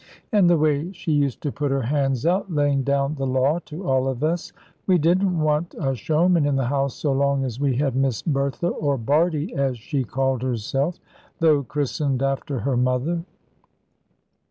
And the way she used to put her hands out, laying down the law to all of us we didn't want a showman in the house so long as we had Miss Bertha, or 'Bardie,' as she called herself, though christened after her mother.